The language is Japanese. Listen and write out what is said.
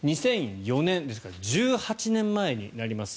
２００４年ですから１８年前になります。